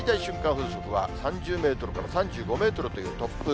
風速は３０メートルから３５メートルという突風。